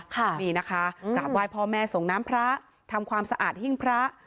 ค่ะนี่นะคะกราบไหว้พ่อแม่ส่งน้ำพระทำความสะอาดหิ้งพระ